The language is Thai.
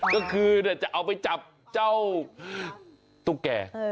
ก็คือจะเอาไปจับเจ้าตุ๊กแก่